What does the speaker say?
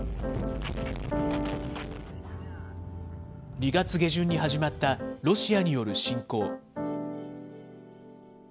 ２月下旬に始まったロシアによる侵攻。